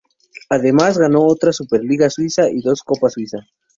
Además ganó otra Super Liga Suiza y dos Copa Suiza.